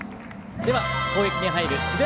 では攻撃に入る智弁